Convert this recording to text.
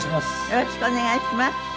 よろしくお願いします。